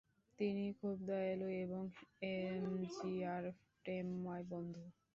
তিনি খুব দয়ালু এবং এমজিআর প্রেমময় বন্ধু।